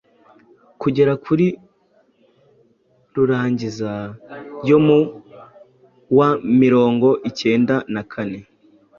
kugera kuri rurangiza yo mu wa mirongo icyenda na kane